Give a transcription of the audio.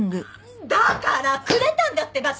だからくれたんだってば！